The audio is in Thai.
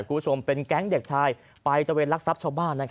คุณผู้ชมเป็นแก๊งเด็กชายไปตะเวนรักทรัพย์ชาวบ้าน